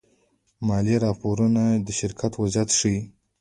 مالي راپورونه د شرکت وضعیت ښيي.